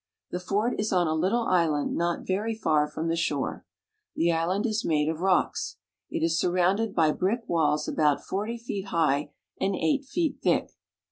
The fort is on a little island not very far from the shore. The island is made of rocks. It is surrounded by brick walls about forty feet high and eight feet thick.